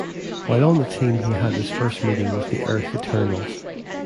While on the team he had his first meeting with the Earth Eternals.